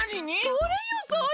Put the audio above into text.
それよそれ！